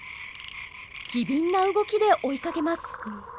機敏な動きで追いかけます。